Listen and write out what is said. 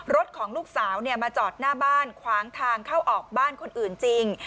ของลูกสาวมาจอดหน้าบ้านขวางทางเข้าออกบ้านคนอื่นจริง